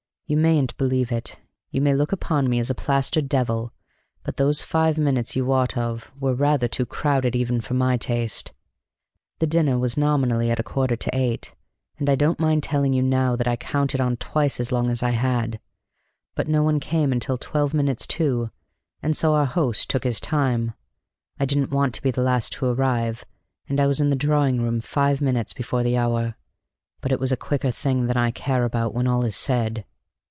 You mayn't believe it you may look upon me as a plaster devil but those five minutes you wot of were rather too crowded even for my taste. The dinner was nominally at a quarter to eight, and I don't mind telling you now that I counted on twice as long as I had. But no one came until twelve minutes to, and so our host took his time. I didn't want to be the last to arrive, and I was in the drawing room five minutes before the hour. But it was a quicker thing than I care about, when all is said."